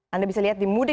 anda bisa lihat di sini